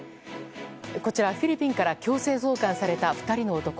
こちら、フィリピンから強制送還された２人の男。